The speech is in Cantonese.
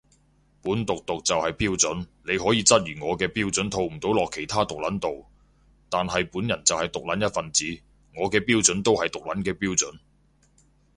本毒毒就係標準，你可以質疑我嘅標準套唔到落其他毒撚度，但係本人就係毒撚一份子，我嘅標準都係毒撚嘅標準